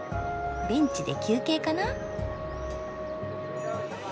ベンチで休憩かな。